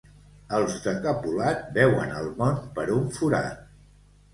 Els de Capolat veuen el món per un forat.